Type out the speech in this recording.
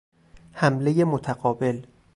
حملهُ متقابل